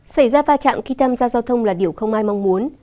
xảy ra va chạm khi tham gia giao thông là điều không ai mong muốn